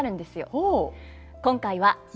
ほう。